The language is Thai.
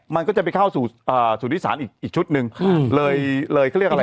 มันก็จะไปเข้าสู่อ่าสู่ที่ศาลอีกอีกชุดหนึ่งอืมเลยเลยเขาเรียกอะไร